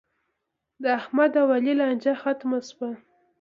د احمد او علي لانجه ختمه شوه.